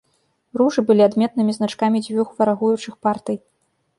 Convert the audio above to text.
Ружы былі адметнымі значкамі дзвюх варагуючых партый.